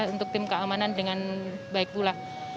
untuk tim keamanan dengan baik pula